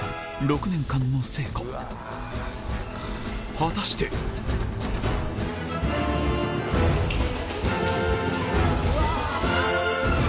果たしてうわぁ！